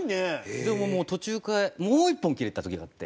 でもう途中もう１本切れた時があって。